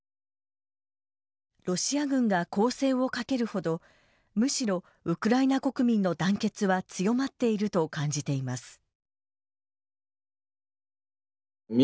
ロシア軍が攻勢をかけるほどむしろウクライナ国民の団結は強まっていると感じています。